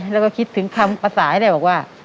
แล้วก็คิดถึงคำภาษานี้บอกว่า